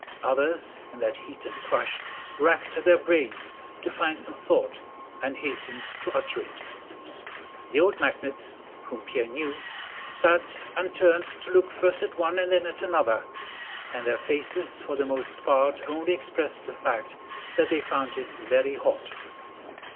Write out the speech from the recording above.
Others in that heat and crush racked their brains to find some thought and hastened to utter it. The old magnates, whom Pierre knew, sat and turned to look first at one and then at another, and their faces for the most part only expressed the fact that they found it very hot.